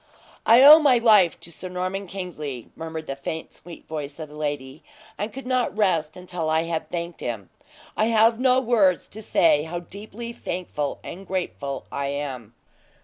"I owe my life to Sir Norman Kingsley," murmured the faint, sweet voice of the lady, "and could not rest until I had thanked him. I have no words to say how deeply thankful and grateful I am."